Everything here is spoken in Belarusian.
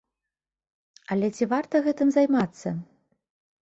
Але ці варта гэтым займацца?